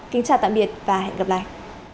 kính chào tạm biệt và hẹn gặp lại